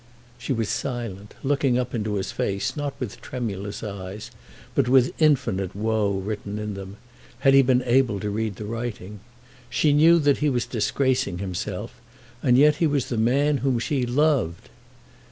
She was silent, looking up into his face, not with tremulous eyes, but with infinite woe written in them, had he been able to read the writing. She knew that he was disgracing himself, and yet he was the man whom she loved!